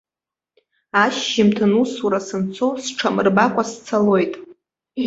Ашьжьымҭан усура санцо сҽамырбакәа сцалоит.